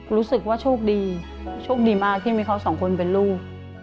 รู้สึกว่าโชคดีโชคดีมากที่มีเขาสองคนเป็นลูก